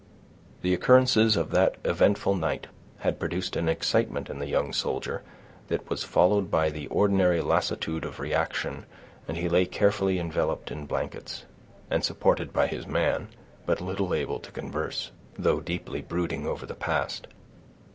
The occurrences of that eventful night had produced an excitement in the young soldier, that was followed by the ordinary lassitude of reaction and he lay carefully enveloped in blankets, and supported by his man, but little able to converse, though deeply brooding over the past.